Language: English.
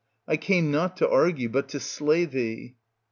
I came not to argue, but to slay thee.